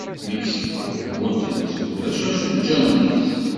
Miksiku, hudden-tt, ulac acu ǧǧan deg-s.